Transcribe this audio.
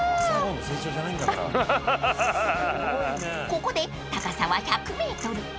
［ここで高さは１００ｍ］